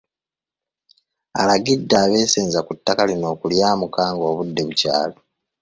Alagidde abeesenza ku ttaka lino okulyamuka ng'obudde bukyali.